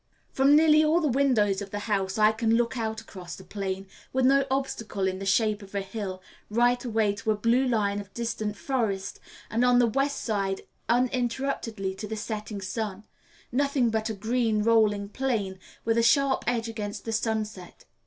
From nearly all the windows of the house I can look out across the plain, with no obstacle in the shape of a hill, right away to a blue line of distant forest, and on the west side uninterruptedly to the setting sun nothing but a green, rolling plain, with a sharp edge against the sunset.